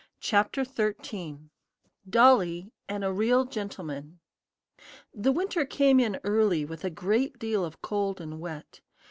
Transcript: CHAPTER XIII DOLLY AND A REAL GENTLEMAN The winter came in early, with a great deal of cold and wet.